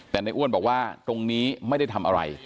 แต่ในอ้วนบอกว่าตรงนี้ไม่ได้ทำอะไร